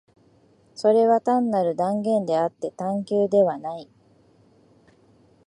それは単なる断言であって探求ではない。